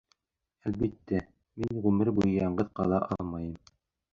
Әлбиттә, мин ғүмер буйы яңғыҙ ҡала алмайым...